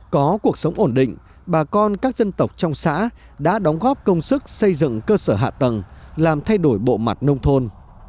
có cuộc sống ổn định bà con các dân tộc trong xã đã đóng góp công sức xây dựng cơ sở hạ tầng làm thay đổi bộ mặt nông thôn